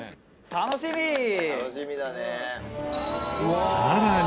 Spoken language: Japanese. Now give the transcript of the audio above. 「楽しみだね」